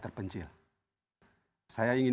terpencil saya ingin